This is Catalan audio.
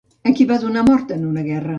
A qui va donar mort en una guerra?